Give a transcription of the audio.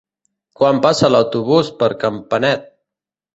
Quan passa l'autobús per Campanet?